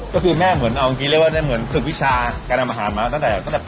ก็คือแม่เหมือนเอาจริงเรียกว่าได้เหมือนฝึกวิชาการทำอาหารมาตั้งแต่